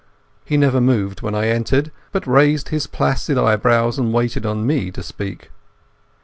He never moved when I entered, but raised his placid eyebrows and waited on me to speak.